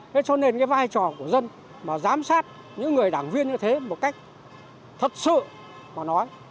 thế cho nên cái vai trò của dân mà giám sát những người đảng viên như thế một cách thật sự mà nói